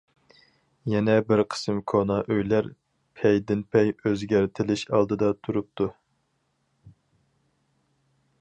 يەنە بىر قىسىم كونا ئۆيلەر پەيدىنپەي ئۆزگەرتىلىش ئالدىدا تۇرۇپتۇ.